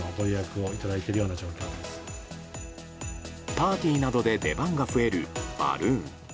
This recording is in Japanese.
パーティーなどで出番が増えるバルーン。